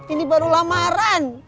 ini baru lamaran